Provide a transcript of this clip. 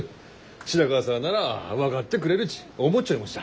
白川さぁなら分かってくれるち思っちょいもした。